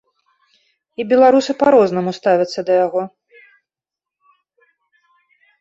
І беларусы па-рознаму ставяцца да яго.